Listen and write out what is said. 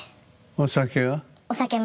お酒は？